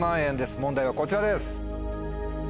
問題はこちらです。